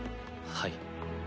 はい。